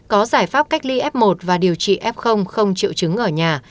có giải pháp cách ly f một và điều trị f không triệu chứng ở nhà